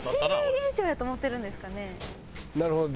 なるほど。